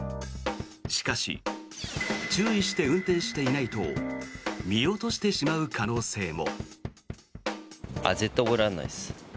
しかし注意して運転していないと見落としてしまう可能性も。